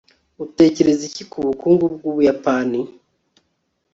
utekereza iki ku bukungu bw'ubuyapani